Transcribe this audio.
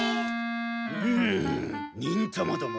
うむ忍たまども